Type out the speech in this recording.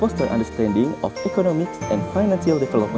untuk meningkatkan kaitan ekonomi dan finansial antara kedua negara